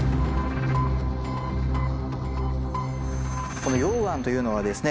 この溶岩というのはですね